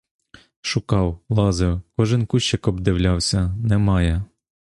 Шукав, лазив, кожен кущик обдивлявся — немає.